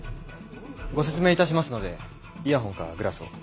ご説明いたしますのでイヤホンかグラスを。